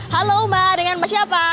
halo mbak dengan siapa